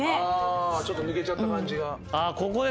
ちょっと抜けちゃった感じが。